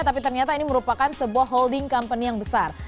tapi ternyata ini merupakan sebuah holding company yang besar